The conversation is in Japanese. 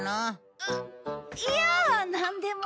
うっいやなんでも。